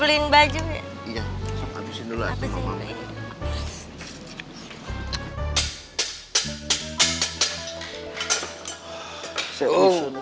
iya habisin dulu aja sama mama